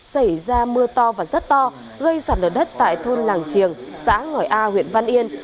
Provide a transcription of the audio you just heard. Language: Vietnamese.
xảy ra mưa to và rất to gây sạt lở đất tại thôn làng triềng xã ngỏi a huyện văn yên